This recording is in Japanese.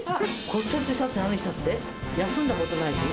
骨折したって何したって、休んだことないし。